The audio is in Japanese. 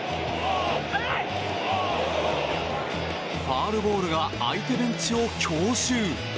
ファウルボールが相手ベンチを強襲。